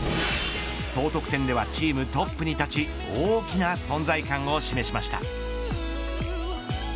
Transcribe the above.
総得点ではチームトップに立ち大きな存在感を示しました。